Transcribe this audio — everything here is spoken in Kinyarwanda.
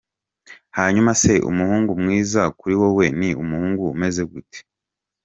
Hanyuma se umuhungu mwiza kuri wowe, ni umuhungu umeze gute?.